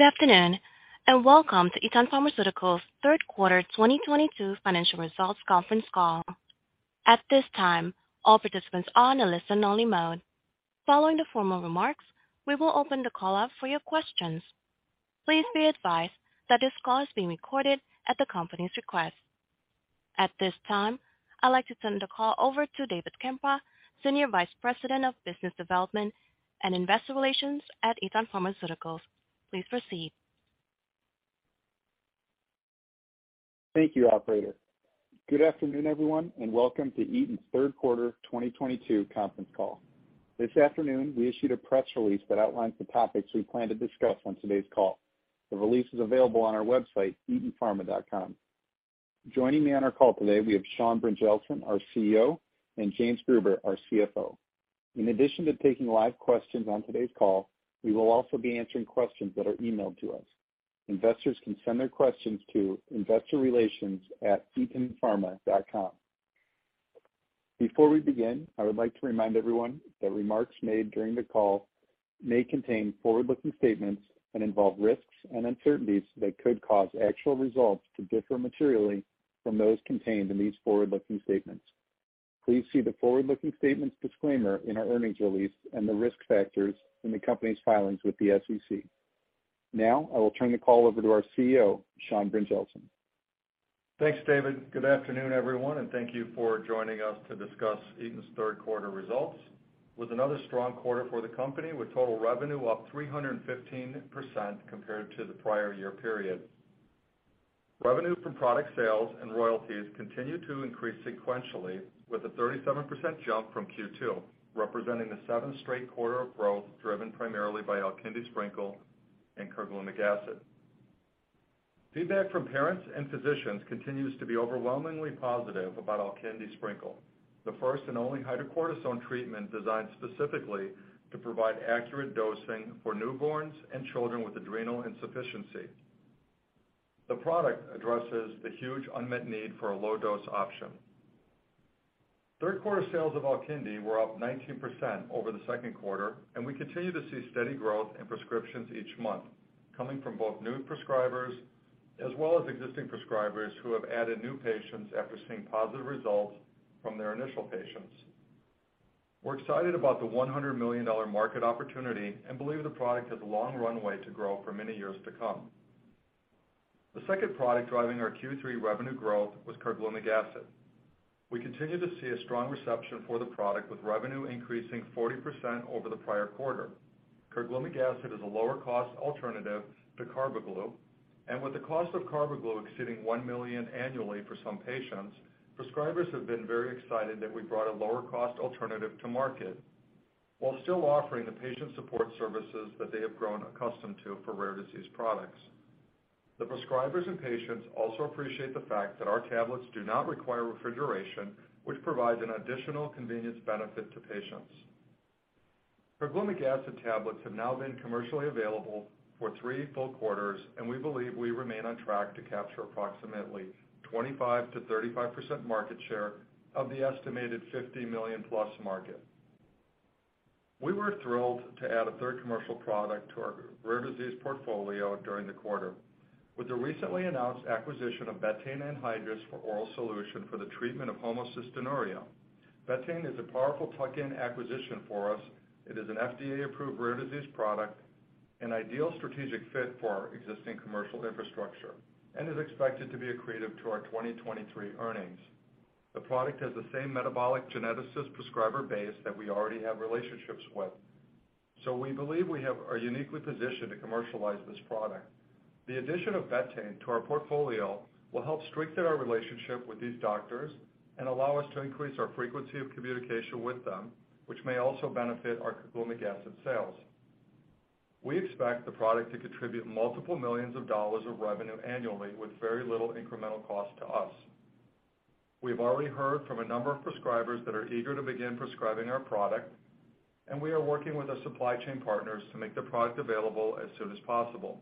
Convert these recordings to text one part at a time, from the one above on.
Good afternoon, and welcome to Eton Pharmaceuticals' third quarter 2022 financial results conference call. At this time, all participants are in a listen-only mode. Following the formal remarks, we will open the call up for your questions. Please be advised that this call is being recorded at the company's request. At this time, I'd like to turn the call over to David Krempa, Senior Vice President of Business Development and Investor Relations at Eton Pharmaceuticals. Please proceed. Thank you, operator. Good afternoon, everyone, and welcome to Eton's third quarter 2022 conference call. This afternoon, we issued a press release that outlines the topics we plan to discuss on today's call. The release is available on our website, etonpharma.com. Joining me on our call today, we have Sean Brynjelsen, our CEO, and James Gruber, our CFO. In addition to taking live questions on today's call, we will also be answering questions that are emailed to us. Investors can send their questions to investorrelations@etonpharma.com. Before we begin, I would like to remind everyone that remarks made during the call may contain forward-looking statements and involve risks and uncertainties that could cause actual results to differ materially from those contained in these forward-looking statements. Please see the forward-looking statements disclaimer in our earnings release and the risk factors in the company's filings with the SEC. Now, I will turn the call over to our CEO, Sean Brynjelsen. Thanks, David. Good afternoon, everyone, and thank you for joining us to discuss Eton's third quarter results. It was another strong quarter for the company, with total revenue up 315% compared to the prior year period. Revenue from product sales and royalties continued to increase sequentially, with a 37% jump from Q2, representing the seventh straight quarter of growth, driven primarily by Alkindi Sprinkle and Carglumic Acid. Feedback from parents and physicians continues to be overwhelmingly positive about Alkindi Sprinkle, the first and only hydrocortisone treatment designed specifically to provide accurate dosing for newborns and children with adrenal insufficiency. The product addresses the huge unmet need for a low-dose option. Third quarter sales of Alkindi were up 19% over the second quarter, and we continue to see steady growth in prescriptions each month, coming from both new prescribers as well as existing prescribers who have added new patients after seeing positive results from their initial patients. We're excited about the $100 million market opportunity and believe the product has a long runway to grow for many years to come. The second product driving our Q3 revenue growth was Carglumic acid. We continue to see a strong reception for the product, with revenue increasing 40% over the prior quarter. Carglumic acid is a lower-cost alternative to Carbaglu. With the cost of Carbaglu exceeding $1 million annually for some patients, prescribers have been very excited that we brought a lower-cost alternative to market while still offering the patient support services that they have grown accustomed to for rare disease products. The prescribers and patients also appreciate the fact that our tablets do not require refrigeration, which provides an additional convenience benefit to patients. Carglumic acid tablets have now been commercially available for three full quarters, and we believe we remain on track to capture approximately 25%-35% market share of the estimated $50 million-plus market. We were thrilled to add a third commercial product to our rare disease portfolio during the quarter with the recently announced acquisition of betaine anhydrous for oral solution for the treatment of homocystinuria. Betaine is a powerful tuck-in acquisition for us. It is an FDA-approved rare disease product, an ideal strategic fit for our existing commercial infrastructure, and is expected to be accretive to our 2023 earnings. The product has the same metabolic geneticist prescriber base that we already have relationships with. We believe we are uniquely positioned to commercialize this product. The addition of betaine to our portfolio will help strengthen our relationship with these doctors and allow us to increase our frequency of communication with them, which may also benefit our carglumic acid sales. We expect the product to contribute multiple millions of dollars revenue annually with very little incremental cost to us. We have already heard from a number of prescribers that are eager to begin prescribing our product, and we are working with the supply chain partners to make the product available as soon as possible.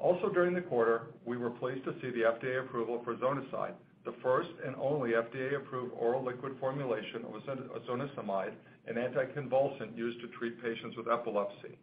Also during the quarter, we were pleased to see the FDA approval for ZONISADE, the first and only FDA-approved oral liquid formulation of zonisamide, an anticonvulsant used to treat patients with epilepsy.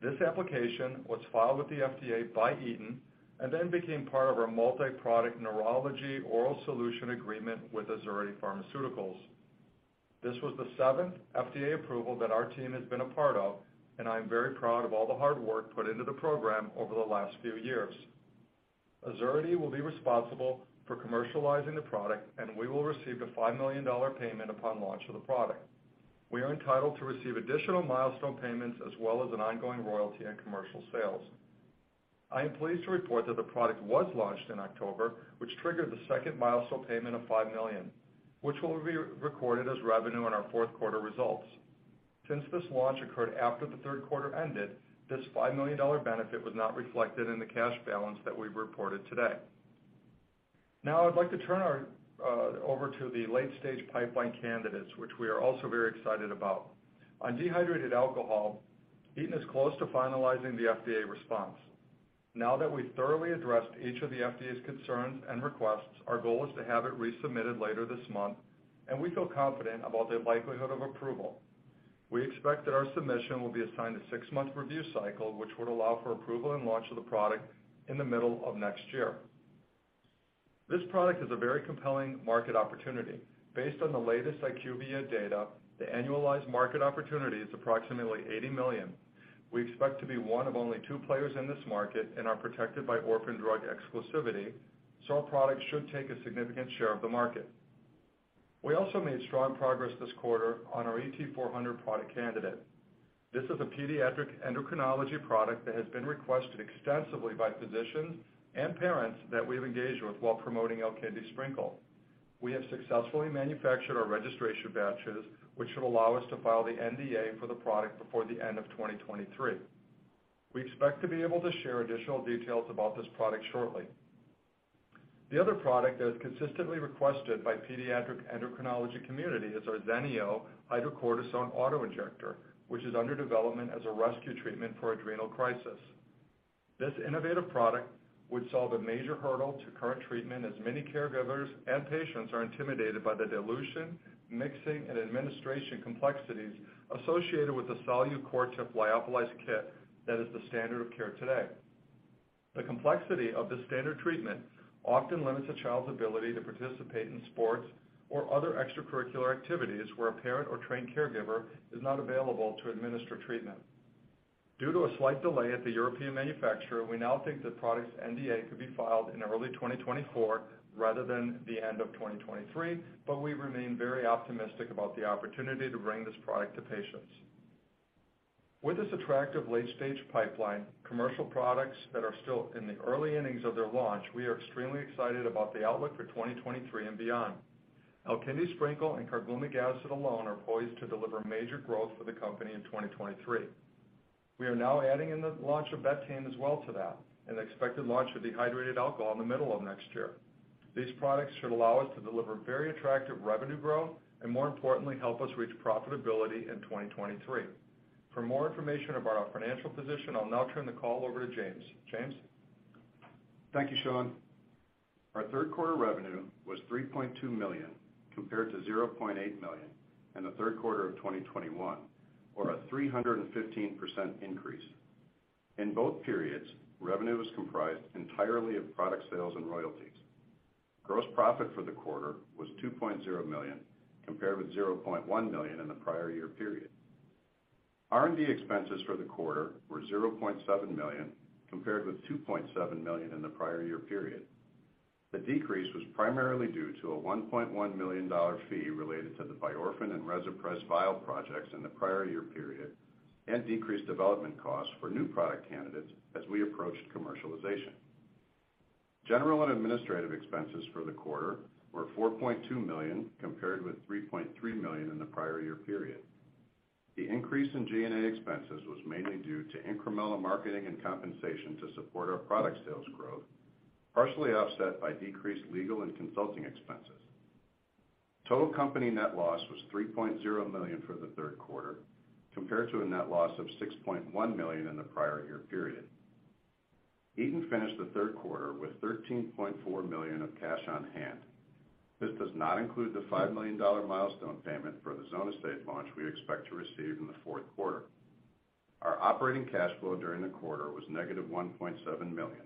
This application was filed with the FDA by Eton and then became part of our multi-product neurology oral solution agreement with Azurity Pharmaceuticals. This was the seventh FDA approval that our team has been a part of, and I am very proud of all the hard work put into the program over the last few years. Azurity will be responsible for commercializing the product, and we will receive a $5 million payment upon launch of the product. We are entitled to receive additional milestone payments as well as an ongoing royalty on commercial sales. I am pleased to report that the product was launched in October, which triggered the second milestone payment of $5 million, which will be recorded as revenue in our fourth quarter results. Since this launch occurred after the third quarter ended, this $5 million benefit was not reflected in the cash balance that we reported today. Now I'd like to turn over to the late-stage pipeline candidates, which we are also very excited about. On dehydrated alcohol, Eton is close to finalizing the FDA response. Now that we've thoroughly addressed each of the FDA's concerns and requests, our goal is to have it resubmitted later this month, and we feel confident about the likelihood of approval. We expect that our submission will be assigned a six-month review cycle, which would allow for approval and launch of the product in the middle of next year. This product is a very compelling market opportunity. Based on the latest IQVIA data, the annualized market opportunity is approximately $80 million. We expect to be one of only two players in this market and are protected by orphan drug exclusivity, so our product should take a significant share of the market. We also made strong progress this quarter on our ET-400 product candidate. This is a pediatric endocrinology product that has been requested extensively by physicians and parents that we've engaged with while promoting Alkindi Sprinkle. We have successfully manufactured our registration batches, which should allow us to file the NDA for the product before the end of 2023. We expect to be able to share additional details about this product shortly. The other product that is consistently requested by pediatric endocrinology community is our ZENEO hydrocortisone auto-injector, which is under development as a rescue treatment for adrenal crisis. This innovative product would solve a major hurdle to current treatment, as many caregivers and patients are intimidated by the dilution, mixing, and administration complexities associated with the SOLU-CORTEF lyophilized kit that is the standard of care today. The complexity of the standard treatment often limits a child's ability to participate in sports or other extracurricular activities, where a parent or trained caregiver is not available to administer treatment. Due to a slight delay at the European manufacturer, we now think the product's NDA could be filed in early 2024 rather than the end of 2023, but we remain very optimistic about the opportunity to bring this product to patients. With this attractive late-stage pipeline, commercial products that are still in the early innings of their launch, we are extremely excited about the outlook for 2023 and beyond. Alkindi Sprinkle and Carglumic Acid alone are poised to deliver major growth for the company in 2023. We are now adding in the launch of betaine as well to that, and expected launch of dehydrated alcohol in the middle of next year. These products should allow us to deliver very attractive revenue growth and, more importantly, help us reach profitability in 2023. For more information about our financial position, I'll now turn the call over to James. James? Thank you, Sean. Our third quarter revenue was $3.2 million compared to $0.8 million in the third quarter of 2021, or a 315% increase. In both periods, revenue was comprised entirely of product sales and royalties. Gross profit for the quarter was $2.0 million compared with $0.1 million in the prior year period. R&D expenses for the quarter were $0.7 million compared with $2.7 million in the prior year period. The decrease was primarily due to a $1.1 million fee related to the Biorphen and Rezipres vial projects in the prior year period and decreased development costs for new product candidates as we approached commercialization. General and administrative expenses for the quarter were $4.2 million compared with $3.3 million in the prior year period. The increase in G&A expenses was mainly due to incremental marketing and compensation to support our product sales growth, partially offset by decreased legal and consulting expenses. Total company net loss was $3.0 million for the third quarter compared to a net loss of $6.1 million in the prior year period. Eton finished the third quarter with $13.4 million of cash on hand. This does not include the $5 million milestone payment for the Zonisade launch we expect to receive in the fourth quarter. Our operating cash flow during the quarter was -$1.7 million.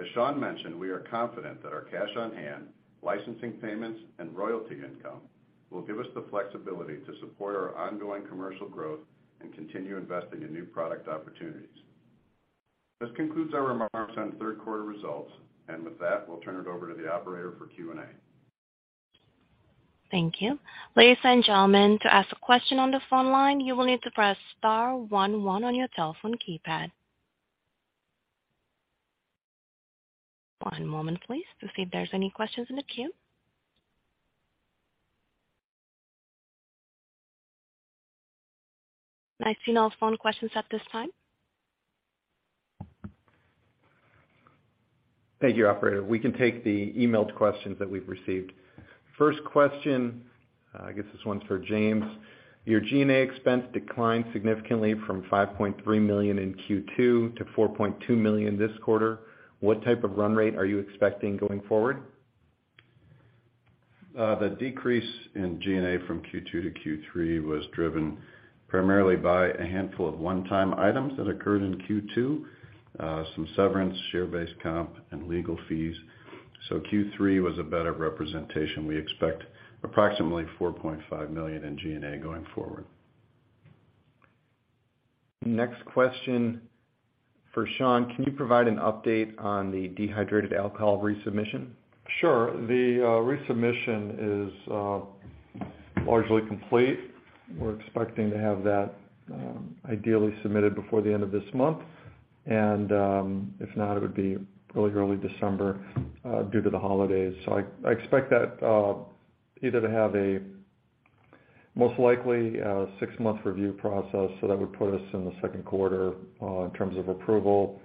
As Sean mentioned, we are confident that our cash on hand, licensing payments, and royalty income will give us the flexibility to support our ongoing commercial growth and continue investing in new product opportunities. This concludes our remarks on third quarter results. With that, we'll turn it over to the operator for Q&A. Thank you. Ladies and gentlemen, to ask a question on the phone line, you will need to press star one one on your telephone keypad. One moment, please, to see if there's any questions in the queue. I see no phone questions at this time. Thank you, operator. We can take the emailed questions that we've received. First question, I guess this one's for James. Your G&A expense declined significantly from $5.3 million in Q2 to $4.2 million this quarter. What type of run rate are you expecting going forward? The decrease in G&A from Q2 to Q3 was driven primarily by a handful of one-time items that occurred in Q2, some severance, share-based comp, and legal fees. Q3 was a better representation. We expect approximately $4.5 million in G&A going forward. Next question, for Sean. Can you provide an update on the dehydrated alcohol resubmission? Sure. The resubmission is largely complete. We're expecting to have that ideally submitted before the end of this month. If not, it would be really early December due to the holidays. I expect that most likely a six-month review process, so that would put us in the second quarter in terms of approval.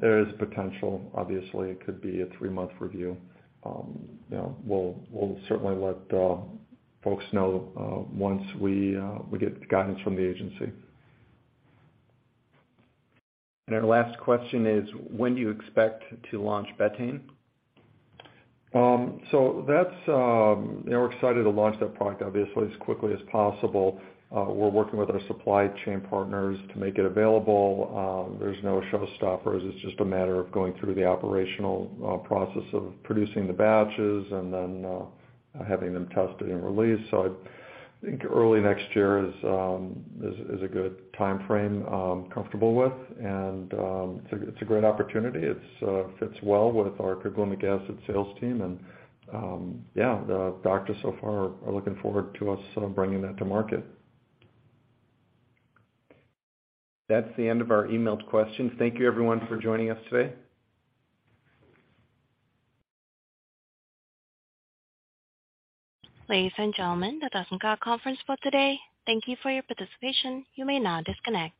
There is potential. Obviously, it could be a three-month review. You know, we'll certainly let folks know once we get guidance from the agency. Our last question is, when do you expect to launch betaine? That's, you know, we're excited to launch that product, obviously, as quickly as possible. We're working with our supply chain partners to make it available. There's no showstoppers. It's just a matter of going through the operational process of producing the batches and then having them tested and released. I think early next year is a good timeframe I'm comfortable with. It's a great opportunity. It fits well with our Carglumic Acid sales team. Yeah, the doctors so far are looking forward to us bringing that to market. That's the end of our emailed questions. Thank you, everyone, for joining us today. Ladies and gentlemen, that does end our conference call today. Thank you for your participation. You may now disconnect.